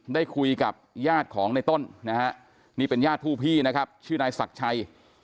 ได้คุยกับญาติของในต้นนะฮะนี่เป็นญาติผู้พี่นะครับชื่อนายศักดิ์ชัย